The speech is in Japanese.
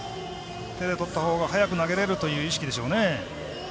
手でとったほうが早く投げれるという意識でしょうね。